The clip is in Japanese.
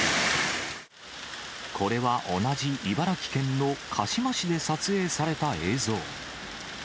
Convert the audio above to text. これは同じ茨城県の鹿嶋市で撮影された映像。